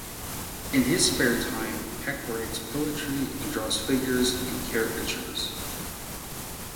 In his spare time, Peck writes poetry and draws figures and caricatures.